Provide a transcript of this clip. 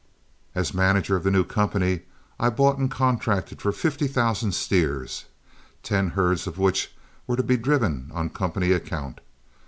As manager of the new company, I bought and contracted for fifty thousand steers, ten herds of which were to be driven on company account.